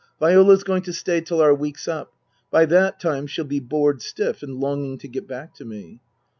Viola's going to stay till our week's up. By that time she'll be bored stiff and longing to get back to me."